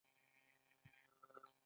بلچراغ اوبه رڼې دي؟